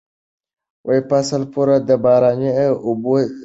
فصل پوره باراني اوبه څښلې وې.